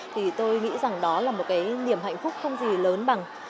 thì tôi nghĩ rằng đó là một cái niềm hạnh phúc không gì lớn bằng